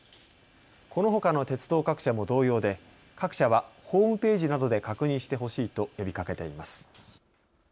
このほかの鉄道各社も同様で各社はホームページなどで確認してほしいと呼びかけています。